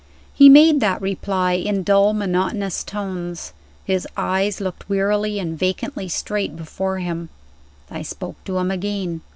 He made that reply in dull, monotonous tones. His eyes looked wearily and vacantly straight before him. I spoke to him again.